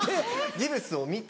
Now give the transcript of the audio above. ギプスを見て。